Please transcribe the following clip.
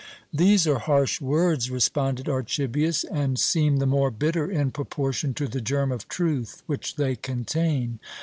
"These are harsh words," responded Archibius, "and seem the more bitter in proportion to the germ of truth which they contain.